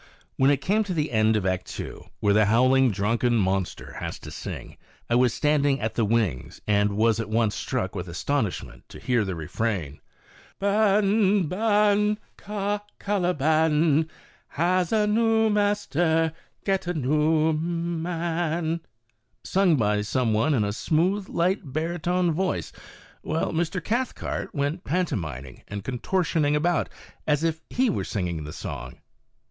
When it came to the end of Act II, where the " howl ing, drunken monster" has to sing, I was standing at the wings and was at once struck with astonishment to hear the refrain :" Ban, Ban, Ca— Caliban, Has a new master— get a new man," sung by some one in a smooth, light baritone voice, while Mr, Cathcart went pantomiming and contortioning about, as if he were singing the song.